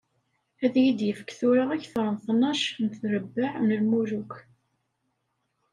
Ad yi-d-yefk tura akteṛ n tnac n trebbaɛ n lmuluk.